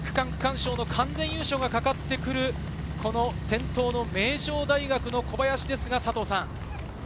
全区間区間賞の完全優勝がかかってくる先頭の名城大学の小林ですが。